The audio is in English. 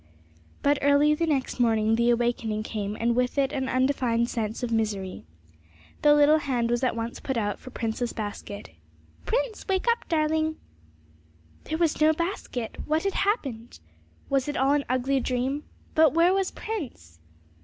But early the next morning the awakening came, and with it an undefined sense of misery. The little hand was at once put out for Prince's basket. 'Prince, wake up, darling!' There was no basket! What had happened? Was it all an ugly dream? But where was Prince?